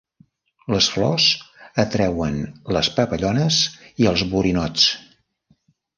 Les flors atreuen les papallones i els borinots.